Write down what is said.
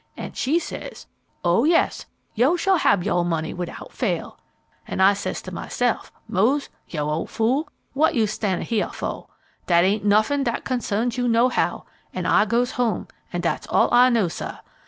An' she says, 'Oh, yes, yoh shall hab yohr money widout fail.' An' I says to myse'f, 'Mose, yoh ole fool, what you stan'in' heah foh? Dat ain't nuffin dat consarns yoh nohow,' an' I goes home, an' dat's all I know, sah.